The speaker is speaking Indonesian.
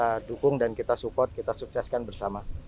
kita dukung dan kita support kita sukseskan bersama